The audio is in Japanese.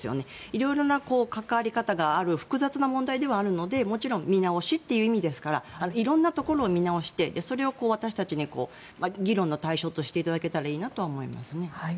色々な関わり方がある複雑な問題ではあるのでもちろん見直しという意味ですから色んなところを見直してそれを私たちに議論の対象としていただけたらいいなと思います。